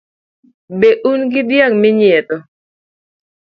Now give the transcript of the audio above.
Be un gi dhiang' minyiedho?